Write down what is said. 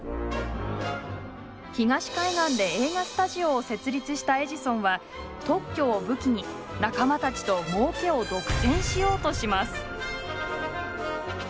東海岸で映画スタジオを設立したエジソンは特許を武器に仲間たちともうけを独占しようとします。